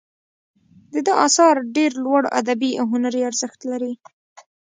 د ده آثار ډیر لوړ ادبي او هنري ارزښت لري.